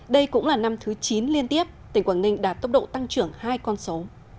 đây cũng là năm thứ chín liên tiếp tỉnh quảng ninh đạt tốc độ tăng trưởng hai con số